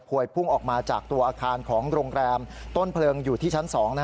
พุ่งออกมาจากตัวอาคารของโรงแรมต้นเพลิงอยู่ที่ชั้น๒